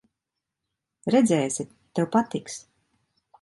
Redzēsi, tev patiks.